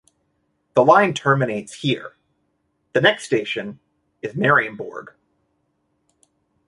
The line terminates here; the next station is Mariembourg.